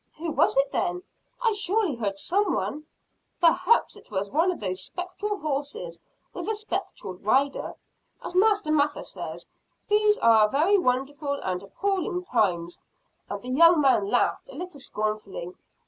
"Who was it then? I surely heard some one." "Perhaps it was one of those spectral horses, with a spectral rider. As Master Mather says: These are very wonderful and appalling times!" And the young man laughed a little scornfully.